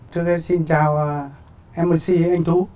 trước hết xin chào mc anh thú